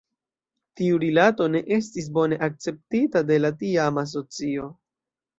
Tiu rilato ne estis bone akceptita de la tiama socio.